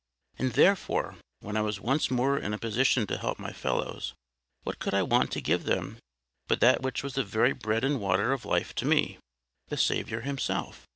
And therefore, when I was once more in a position to help my fellows, what could I want to give them but that which was the very bread and water of life to me—the Saviour himself?